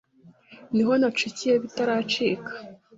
Ni ho nacukiye bitaracika